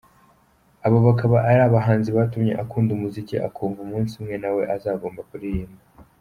Abo bakaba aribo bahanzi batumye akunda umuziki akumva umunsi umwe nawe azagomba kuririmba.